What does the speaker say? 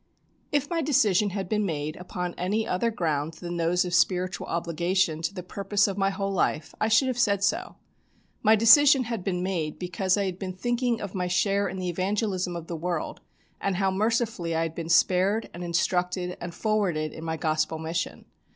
If my decision had been made upon any other ground than those of spiritual obligation to the purpose of my whole life I should have said so. My decision had been made because I had been thinking of my share in the evangelism of the world, and how mercifully I had been spared and instructed and forwarded in my Gospel mission.